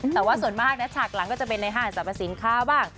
แต่ว่าส่วนมากนะฉากหลังก็จะเป็นในห้างสรรพสินค้าบ้าง